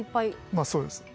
まあそうですね。